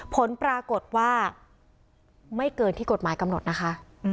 ผลปรากฏว่าไม่เกินที่กฎหมายกำหนดนะคะ